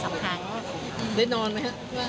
ได้นอนไหมครับที่บ้านนี้